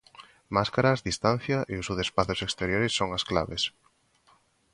Máscaras, distancia e uso de espazos exteriores son as claves.